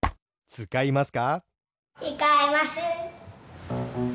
つかいます。